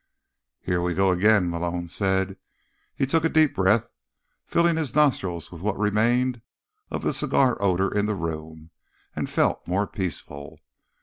"Here we go again," Malone said. He took a deep breath, filling his nostrils with what remained of the cigar odor in the room, and felt more peaceful.